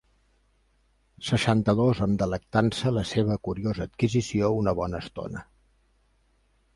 Seixanta-dos amb delectança la seva curiosa adquisició una bona estona.